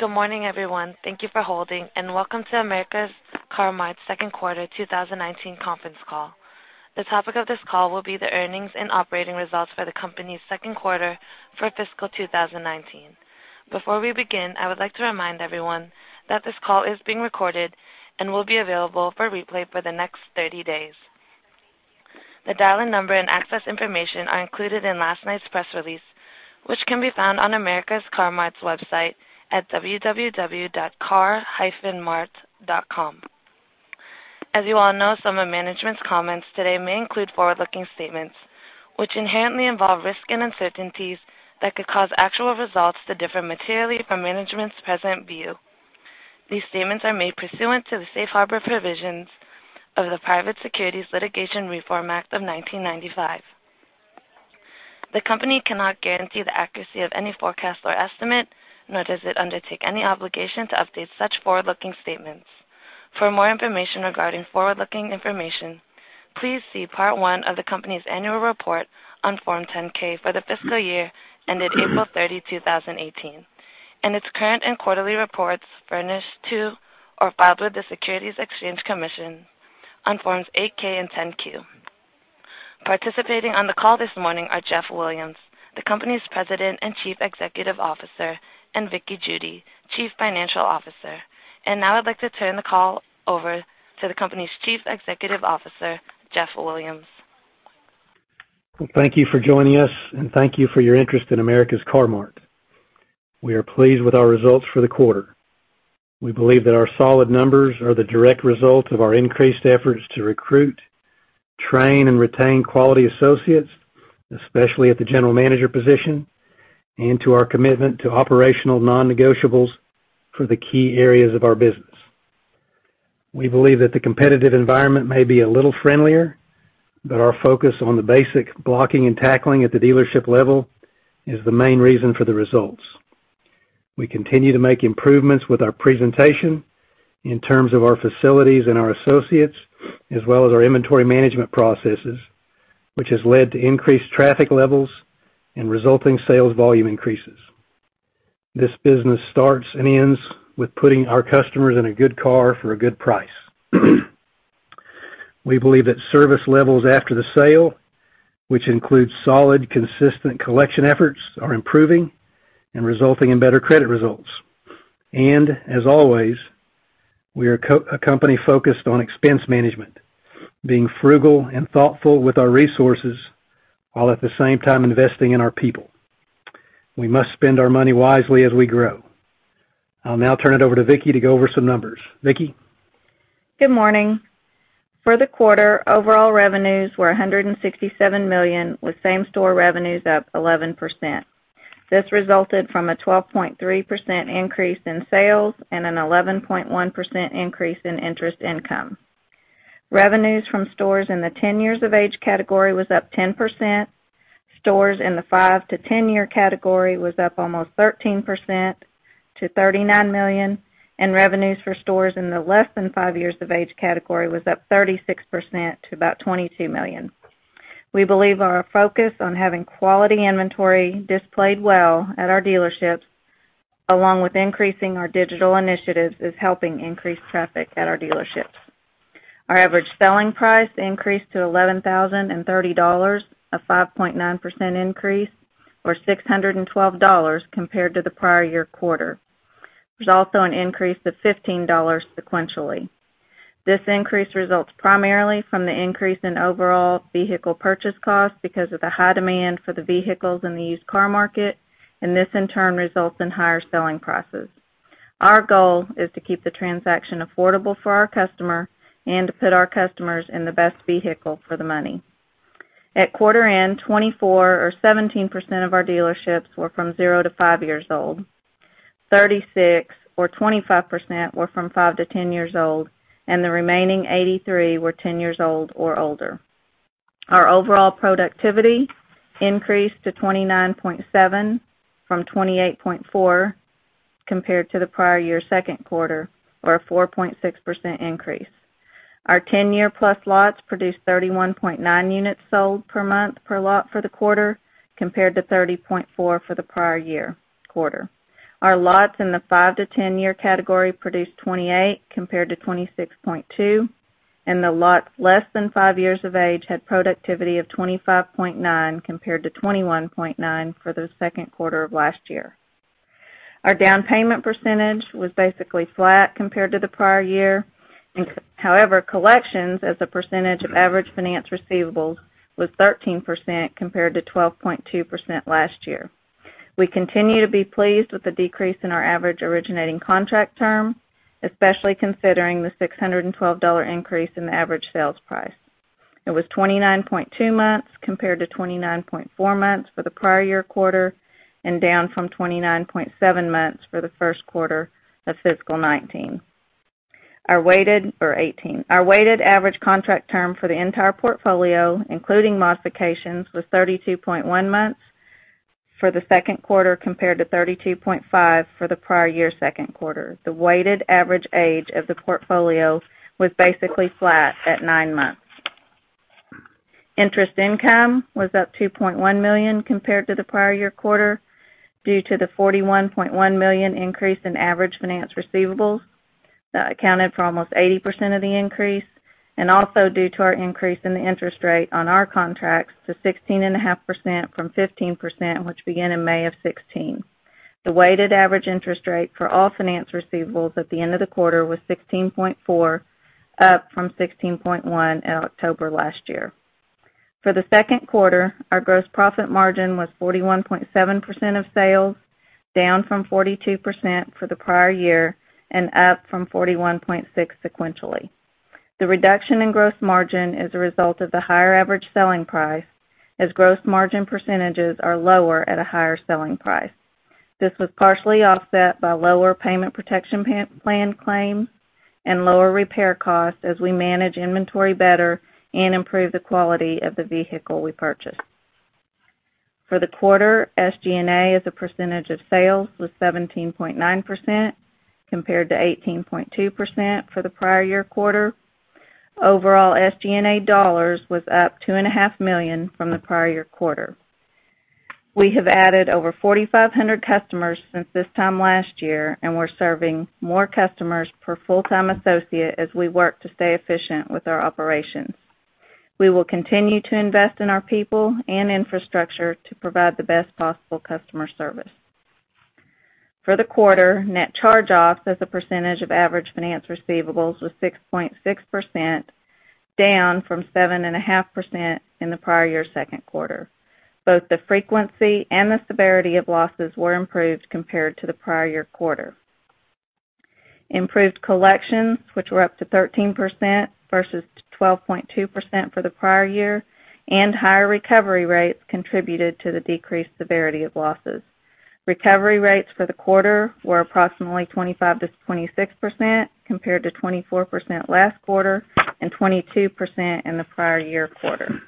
Good morning, everyone. Thank you for holding, and welcome to America's Car-Mart second quarter 2019 conference call. The topic of this call will be the earnings and operating results for the company's second quarter for fiscal 2019. Before we begin, I would like to remind everyone that this call is being recorded and will be available for replay for the next 30 days. The dial-in number and access information are included in last night's press release, which can be found on America's Car-Mart's website at www.car-mart.com. As you all know, some of management's comments today may include forward-looking statements, which inherently involve risks and uncertainties that could cause actual results to differ materially from management's present view. These statements are made pursuant to the safe harbor provisions of the Private Securities Litigation Reform Act of 1995. The company cannot guarantee the accuracy of any forecast or estimate, nor does it undertake any obligation to update such forward-looking statements. For more information regarding forward-looking information, please see Part One of the company's annual report on Form 10-K for the fiscal year ended April 30, 2018, and its current and quarterly reports furnished to or filed with the Securities and Exchange Commission on Forms 8-K and 10-Q. Participating on the call this morning are Jeff Williams, the company's President and Chief Executive Officer, and Vickie Judy, Chief Financial Officer. Now I'd like to turn the call over to the company's Chief Executive Officer, Jeff Williams. Well, thank you for joining us, and thank you for your interest in America's Car-Mart. We are pleased with our results for the quarter. We believe that our solid numbers are the direct result of our increased efforts to recruit, train, and retain quality associates, especially at the general manager position, and to our commitment to operational non-negotiables for the key areas of our business. We believe that the competitive environment may be a little friendlier, Our focus on the basic blocking and tackling at the dealership level is the main reason for the results. We continue to make improvements with our presentation in terms of our facilities and our associates, as well as our inventory management processes, which has led to increased traffic levels and resulting sales volume increases. This business starts and ends with putting our customers in a good car for a good price. We believe that service levels after the sale, which includes solid, consistent collection efforts, are improving and resulting in better credit results. As always, we are a company focused on expense management, being frugal and thoughtful with our resources, while at the same time investing in our people. We must spend our money wisely as we grow. I'll now turn it over to Vickie to go over some numbers. Vickie? Good morning. For the quarter, overall revenues were $167 million, with same-store revenues up 11%. This resulted from a 12.3% increase in sales and an 11.1% increase in interest income. Revenues from stores in the 10 years of age category was up 10%. Stores in the 5 to 10-year category was up almost 13% to $39 million, and revenues for stores in the less than 5 years of age category was up 36% to about $22 million. We believe our focus on having quality inventory displayed well at our dealerships, along with increasing our digital initiatives, is helping increase traffic at our dealerships. Our average selling price increased to $11,030, a 5.9% increase, or $612 compared to the prior year quarter. There's also an increase of $15 sequentially. This increase results primarily from the increase in overall vehicle purchase costs because of the high demand for the vehicles in the used car market, this in turn results in higher selling prices. Our goal is to keep the transaction affordable for our customer and to put our customers in the best vehicle for the money. At quarter end, 24 or 17% of our dealerships were from zero to 5 years old, 36 or 25% were from 5 to 10 years old, and the remaining 83 were 10 years old or older. Our overall productivity increased to 29.7 from 28.4 compared to the prior year second quarter, or a 4.6% increase. Our 10-year-plus lots produced 31.9 units sold per month per lot for the quarter, compared to 30.4 for the prior year quarter. Our lots in the 5 to 10-year category produced 28 compared to 26.2, and the lots less than 5 years of age had productivity of 25.9 compared to 21.9 for the second quarter of last year. Our down payment percentage was basically flat compared to the prior year. However, collections as a percentage of average finance receivables was 13% compared to 12.2% last year. We continue to be pleased with the decrease in our average originating contract term, especially considering the $612 increase in the average sales price. It was 29.2 months compared to 29.4 months for the prior year quarter, and down from 29.7 months for the first quarter of fiscal 2018. Our weighted average contract term for the entire portfolio, including modifications, was 32.1 months for the second quarter, compared to 32.5 for the prior year second quarter. The weighted average age of the portfolio was basically flat at 9 months. Interest income was up $2.1 million compared to the prior year quarter due to the $41.1 million increase in average finance receivables. That accounted for almost 80% of the increase, also due to our increase in the interest rate on our contracts to 16.5% from 15%, which began in May of 2016. The weighted average interest rate for all finance receivables at the end of the quarter was 16.4%, up from 16.1% in October last year. For the second quarter, our gross profit margin was 41.7% of sales, down from 42% for the prior year and up from 41.6% sequentially. The reduction in gross margin is a result of the higher average selling price, as gross margin percentages are lower at a higher selling price. This was partially offset by lower Accident Protection Plan claims and lower repair costs as we manage inventory better and improve the quality of the vehicle we purchase. For the quarter, SG&A as a percentage of sales was 17.9%, compared to 18.2% for the prior year quarter. Overall, SG&A dollars was up $2.5 million from the prior year quarter. We have added over 4,500 customers since this time last year, and we're serving more customers per full-time associate as we work to stay efficient with our operations. We will continue to invest in our people and infrastructure to provide the best possible customer service. For the quarter, net charge-offs as a percentage of average finance receivables was 6.6%, down from 7.5% in the prior year second quarter. Both the frequency and the severity of losses were improved compared to the prior year quarter. Improved collections, which were up to 13% versus 12.2% for the prior year, and higher recovery rates contributed to the decreased severity of losses. Recovery rates for the quarter were approximately 25%-26%, compared to 24% last quarter and 22% in the prior year quarter.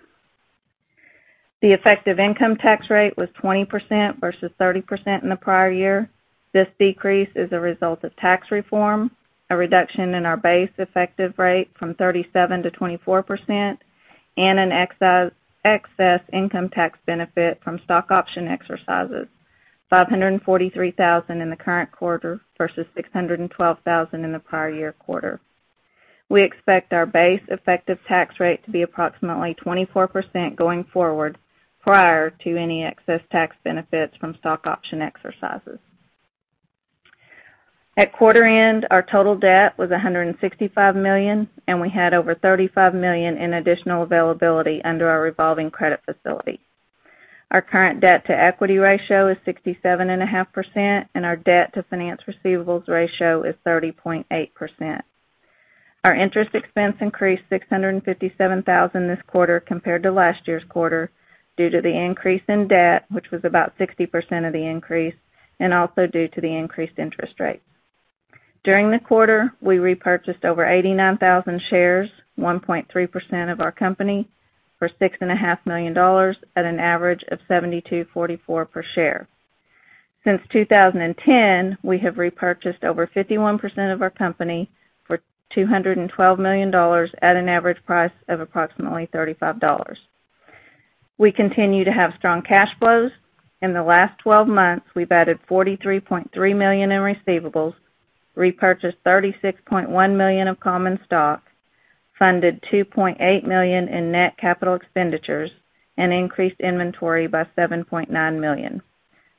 The effective income tax rate was 20% versus 30% in the prior year. This decrease is a result of tax reform, a reduction in our base effective rate from 37%-24%, and an excess income tax benefit from stock option exercises, $543,000 in the current quarter versus $612,000 in the prior year quarter. We expect our base effective tax rate to be approximately 24% going forward, prior to any excess tax benefits from stock option exercises. At quarter end, our total debt was $165 million, and we had over $35 million in additional availability under our revolving credit facility. Our current debt-to-equity ratio is 67.5%, and our debt to finance receivables ratio is 30.8%. Our interest expense increased $657,000 this quarter compared to last year's quarter due to the increase in debt, which was about 60% of the increase, and also due to the increased interest rates. During the quarter, we repurchased over 89,000 shares, 1.3% of our company, for $6.5 million at an average of $72.44 per share. Since 2010, we have repurchased over 51% of our company for $212 million at an average price of approximately $35. We continue to have strong cash flows. In the last 12 months, we've added $43.3 million in receivables, repurchased $36.1 million of common stock, funded $2.8 million in net capital expenditures, and increased inventory by $7.9 million.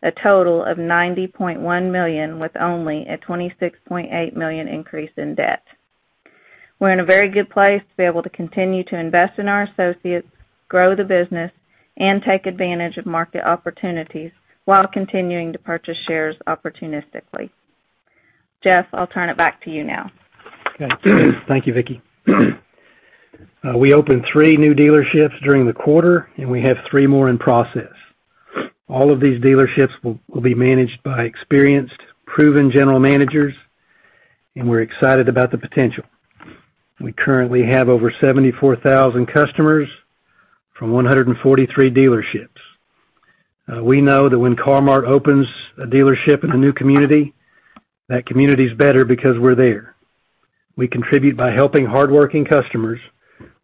A total of $90.1 million with only a $26.8 million increase in debt. We're in a very good place to be able to continue to invest in our associates, grow the business, and take advantage of market opportunities while continuing to purchase shares opportunistically. Jeff, I'll turn it back to you now. Okay. Thank you, Vickie. We opened three new dealerships during the quarter, and we have three more in process. All of these dealerships will be managed by experienced, proven general managers, and we're excited about the potential. We currently have over 74,000 customers from 143 dealerships. We know that when Car-Mart opens a dealership in a new community, that community's better because we're there. We contribute by helping hardworking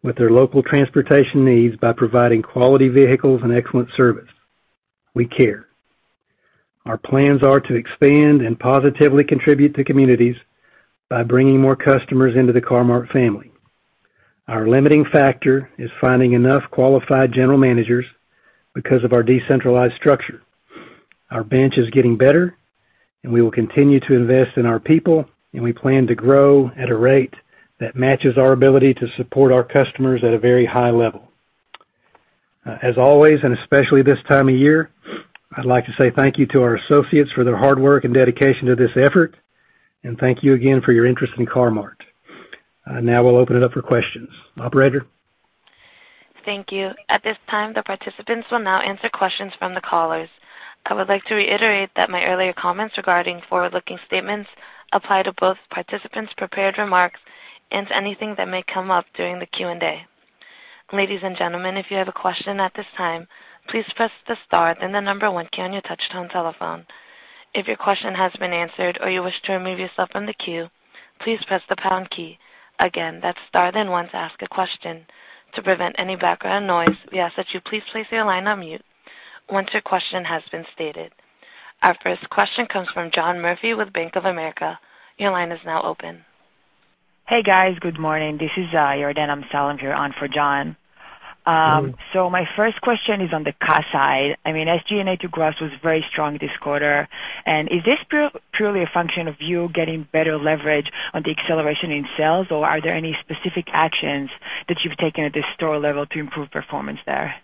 customers with their local transportation needs by providing quality vehicles and excellent service. We care. Our plans are to expand and positively contribute to communities by bringing more customers into the Car-Mart family. Our limiting factor is finding enough qualified general managers because of our decentralized structure. Our bench is getting better. We will continue to invest in our people. We plan to grow at a rate that matches our ability to support our customers at a very high level. As always, especially this time of year, I'd like to say thank you to our associates for their hard work and dedication to this effort, thank you again for your interest in Car-Mart. Now we'll open it up for questions. Operator? Thank you. At this time, the participants will now answer questions from the callers. I would like to reiterate that my earlier comments regarding forward-looking statements apply to both participants' prepared remarks and anything that may come up during the Q&A. Ladies and gentlemen, if you have a question at this time, please press the star, then the number 1 key on your touch-tone telephone. If your question has been answered or you wish to remove yourself from the queue, please press the pound key. Again, that's star then 1 to ask a question. To prevent any background noise, we ask that you please place your line on mute once your question has been stated. Our first question comes from John Murphy with Bank of America. Your line is now open. Hey, guys. Good morning. This is Yarden Amsalem here on for John. Good morning. My first question is on the cost side. I mean, SG&A to gross was very strong this quarter. Is this purely a function of you getting better leverage on the acceleration in sales, or are there any specific actions that you've taken at the store level to improve performance there?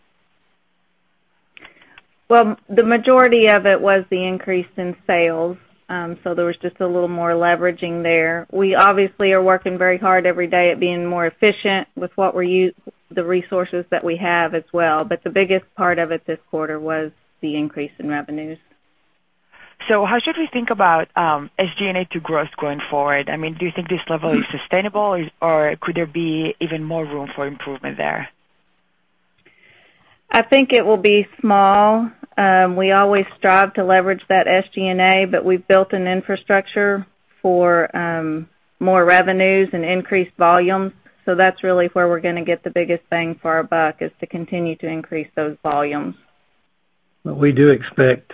Well, the majority of it was the increase in sales. There was just a little more leveraging there. We obviously are working very hard every day at being more efficient with the resources that we have as well. The biggest part of it this quarter was the increase in revenues. How should we think about SG&A to gross going forward? I mean, do you think this level is sustainable or could there be even more room for improvement there? I think it will be small. We always strive to leverage that SG&A, but we've built an infrastructure for more revenues and increased volumes. That's really where we're going to get the biggest bang for our buck, is to continue to increase those volumes. We do expect,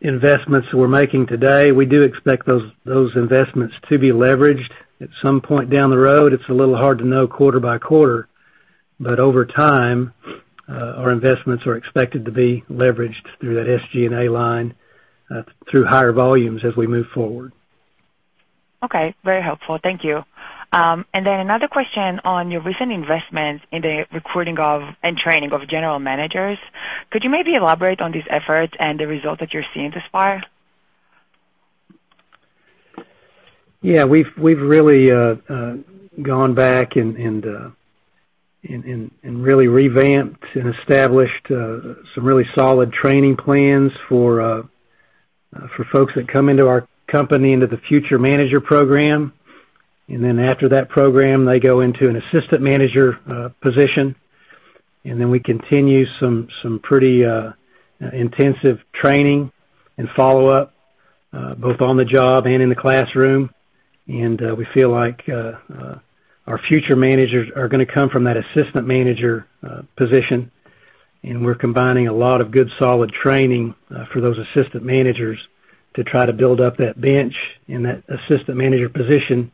investments we're making today. We do expect those investments to be leveraged at some point down the road. It's a little hard to know quarter by quarter. Over time, our investments are expected to be leveraged through that SG&A line through higher volumes as we move forward. Okay. Very helpful. Thank you. Then another question on your recent investments in the recruiting of and training of General Managers. Could you maybe elaborate on these efforts and the results that you're seeing thus far? Yeah, we've really gone back and really revamped and established some really solid training plans for folks that come into our company into the future manager program. After that program, they go into an assistant manager position. We continue some pretty intensive training and follow-up, both on the job and in the classroom. We feel like our future managers are going to come from that assistant manager position, and we're combining a lot of good solid training for those assistant managers to try to build up that bench and that assistant manager position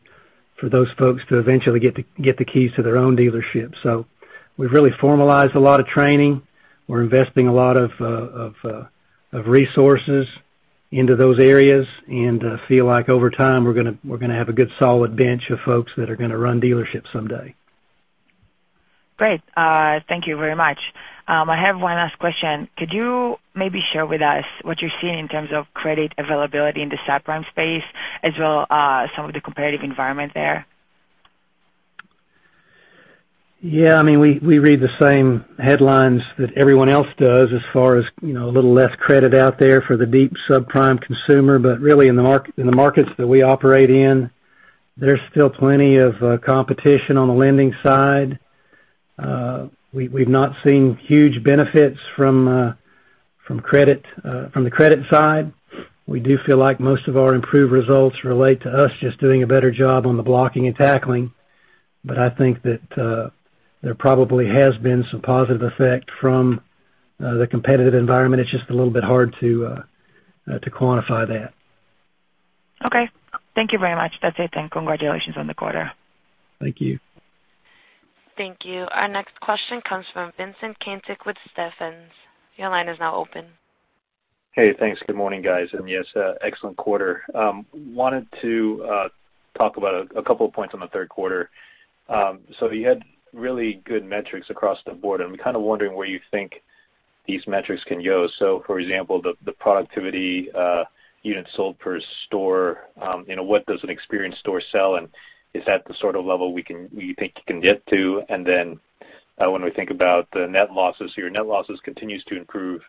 for those folks to eventually get the keys to their own dealership. We've really formalized a lot of training. We're investing a lot of resources into those areas and feel like over time, we're going to have a good solid bench of folks that are going to run dealerships someday. Great. Thank you very much. I have one last question. Could you maybe share with us what you're seeing in terms of credit availability in the subprime space as well as some of the competitive environment there? Yeah, we read the same headlines that everyone else does as far as a little less credit out there for the deep subprime consumer. Really in the markets that we operate in, there's still plenty of competition on the lending side. We've not seen huge benefits from the credit side. We do feel like most of our improved results relate to us just doing a better job on the blocking and tackling. I think that there probably has been some positive effect from the competitive environment. It's just a little bit hard to quantify that. Okay. Thank you very much. That's it then. Congratulations on the quarter. Thank you. Thank you. Our next question comes from Vincent Caintic with Stephens. Your line is now open. Hey, thanks. Good morning, guys. Yes, excellent quarter. Wanted to talk about a couple of points on the third quarter. You had really good metrics across the board. I'm kind of wondering where you think these metrics can go. For example, the productivity units sold per store. What does an experienced store sell, and is that the sort of level you think you can get to? When we think about the net losses, your net losses continues to improve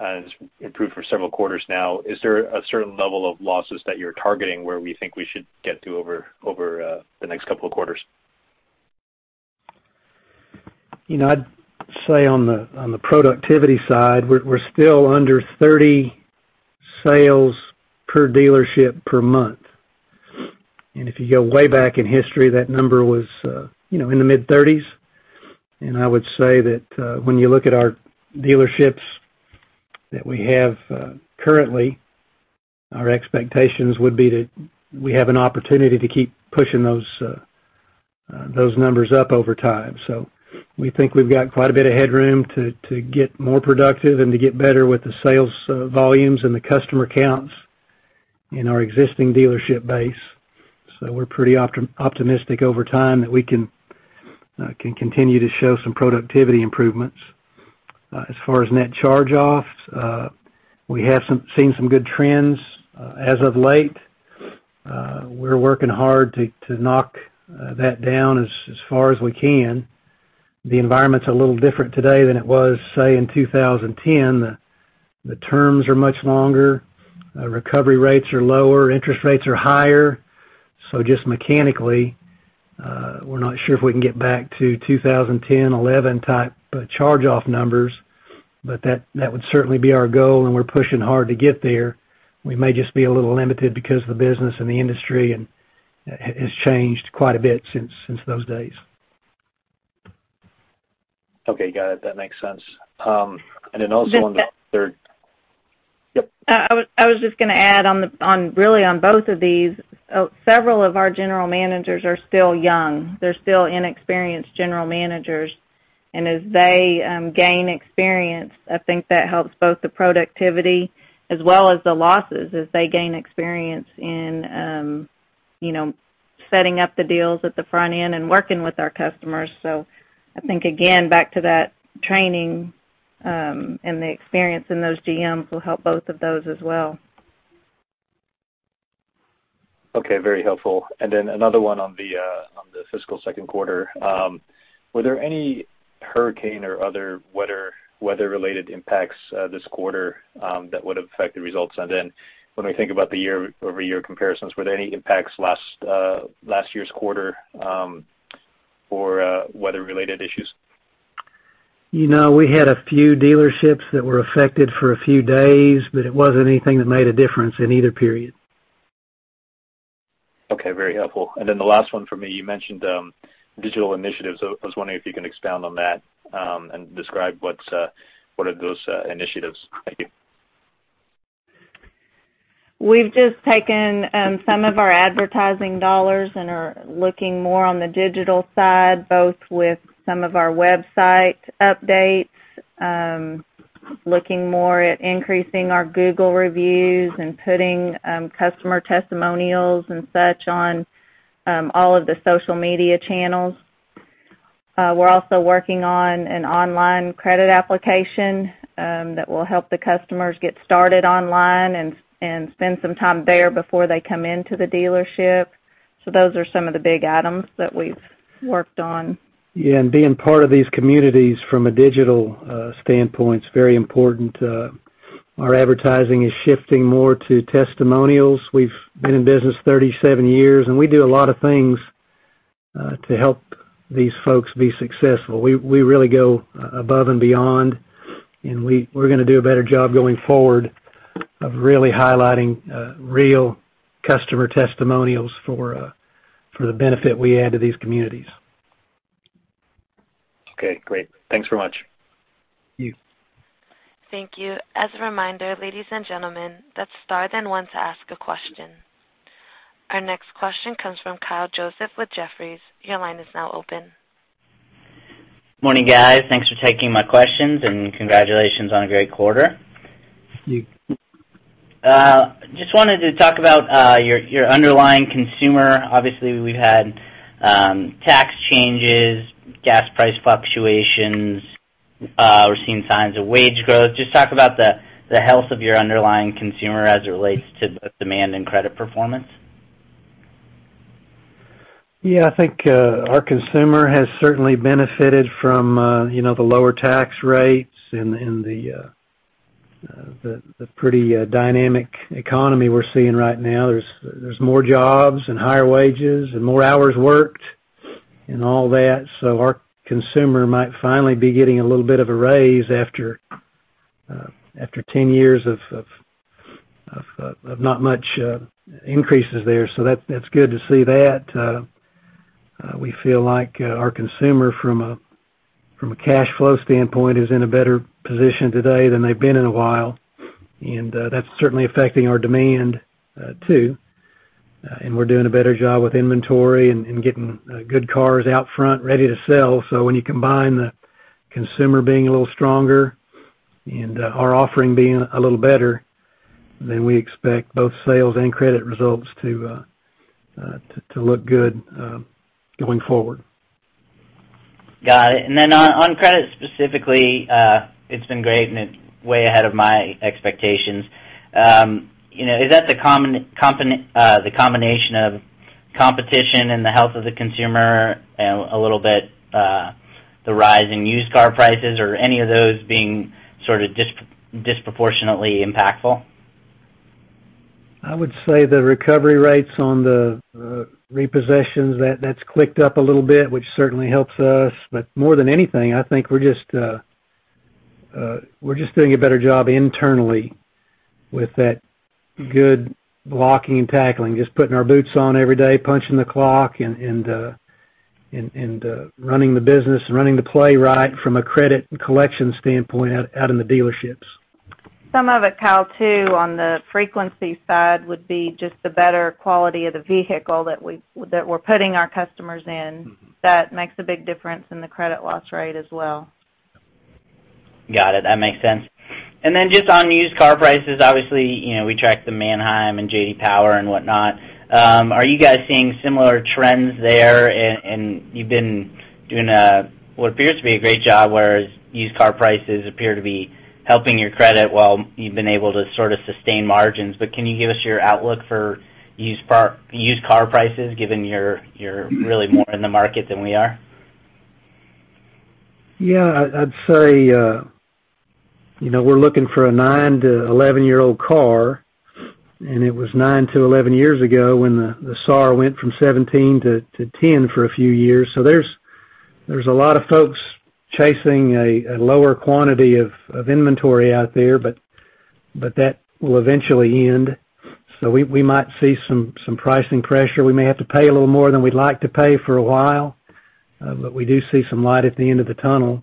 and it's improved for several quarters now. Is there a certain level of losses that you're targeting where we think we should get to over the next couple of quarters? I'd say on the productivity side, we're still under 30 sales per dealership per month. If you go way back in history, that number was in the mid-thirties. I would say that when you look at our dealerships that we have currently, our expectations would be that we have an opportunity to keep pushing those numbers up over time. We think we've got quite a bit of headroom to get more productive and to get better with the sales volumes and the customer counts in our existing dealership base. We're pretty optimistic over time that we can continue to show some productivity improvements. As far as net charge-offs, we have seen some good trends as of late. We're working hard to knock that down as far as we can. The environment's a little different today than it was, say, in 2010. The terms are much longer. Recovery rates are lower. Interest rates are higher. Just mechanically, we're not sure if we can get back to 2010, 2011 type charge-off numbers, but that would certainly be our goal, and we're pushing hard to get there. We may just be a little limited because the business and the industry has changed quite a bit since those days. Okay. Got it. That makes sense. Also on the third Just that Yep. I was just going to add really on both of these, several of our general managers are still young. They're still inexperienced general managers. As they gain experience, I think that helps both the productivity as well as the losses as they gain experience in setting up the deals at the front end and working with our customers. I think, again, back to that training, and the experience in those GMs will help both of those as well. Okay. Very helpful. Another one on the fiscal second quarter. Were there any hurricane or other weather-related impacts this quarter that would affect the results? When we think about the year-over-year comparisons, were there any impacts last year's quarter for weather-related issues? We had a few dealerships that were affected for a few days, it wasn't anything that made a difference in either period. Okay. Very helpful. The last one for me, you mentioned digital initiatives. I was wondering if you can expound on that, and describe what are those initiatives. Thank you. We've just taken some of our advertising dollars and are looking more on the digital side, both with some of our website updates, looking more at increasing our Google reviews, and putting customer testimonials and such on all of the social media channels. We're also working on an online credit application that will help the customers get started online and spend some time there before they come into the dealership. Those are some of the big items that we've worked on. Yeah, being part of these communities from a digital standpoint is very important. Our advertising is shifting more to testimonials. We've been in business 37 years. We do a lot of things to help these folks be successful. We really go above and beyond. We're going to do a better job going forward of really highlighting real customer testimonials for the benefit we add to these communities. Okay, great. Thanks very much. Thank you. Thank you. As a reminder, ladies and gentlemen, press star then one to ask a question. Our next question comes from Kyle Joseph with Jefferies. Your line is now open. Morning, guys. Thanks for taking my questions, and congratulations on a great quarter. Thank you. Just wanted to talk about your underlying consumer. Obviously, we've had tax changes, gas price fluctuations. We're seeing signs of wage growth. Just talk about the health of your underlying consumer as it relates to both demand and credit performance. Yeah, I think our consumer has certainly benefited from the lower tax rates and the pretty dynamic economy we're seeing right now. There's more jobs and higher wages and more hours worked and all that. Our consumer might finally be getting a little bit of a raise after 10 years of not much increases there. That's good to see that. We feel like our consumer, from a cash flow standpoint, is in a better position today than they've been in a while, and that's certainly affecting our demand, too. We're doing a better job with inventory and getting good cars out front ready to sell. When you combine the consumer being a little stronger and our offering being a little better, we expect both sales and credit results to look good going forward. Got it. On credit specifically, it's been great, and it's way ahead of my expectations. Is that the combination of competition and the health of the consumer, a little bit the rise in used car prices or any of those being sort of disproportionately impactful? I would say the recovery rates on the repossessions, that's clicked up a little bit, which certainly helps us. More than anything, I think we're just doing a better job internally with that good blocking and tackling, just putting our boots on every day, punching the clock, and running the business and running the play right from a credit and collection standpoint out in the dealerships. Some of it, Kyle, too, on the frequency side would be just the better quality of the vehicle that we're putting our customers in. That makes a big difference in the credit loss rate as well. Got it. That makes sense. Just on used car prices, obviously, we track the Manheim and J.D. Power and whatnot. Are you guys seeing similar trends there? You've been doing what appears to be a great job, whereas used car prices appear to be helping your credit while you've been able to sort of sustain margins. Can you give us your outlook for used car prices, given you're really more in the market than we are? Yeah, I'd say we're looking for a 9 to 11-year-old car, and it was 9 to 11 years ago when the SAR went from 17 to 10 for a few years. There's a lot of folks chasing a lower quantity of inventory out there, that will eventually end. We might see some pricing pressure. We may have to pay a little more than we'd like to pay for a while, we do see some light at the end of the tunnel.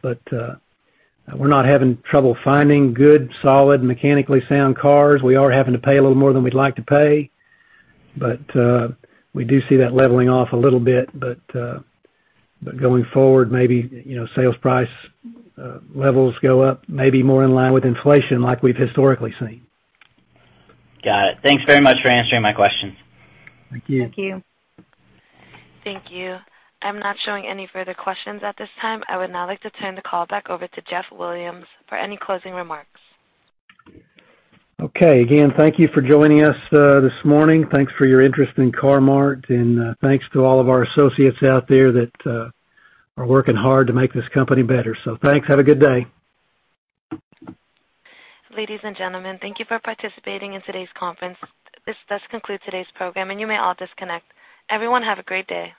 We're not having trouble finding good, solid, mechanically sound cars. We are having to pay a little more than we'd like to pay, we do see that leveling off a little bit. Going forward, maybe sales price levels go up, maybe more in line with inflation like we've historically seen. Got it. Thanks very much for answering my questions. Thank you. Thank you. Thank you. I'm not showing any further questions at this time. I would now like to turn the call back over to Jeff Williams for any closing remarks. Okay. Again, thank you for joining us this morning. Thanks for your interest in Car-Mart, and thanks to all of our associates out there that are working hard to make this company better. Thanks. Have a good day. Ladies and gentlemen, thank you for participating in today's conference. This does conclude today's program, and you may all disconnect. Everyone have a great day.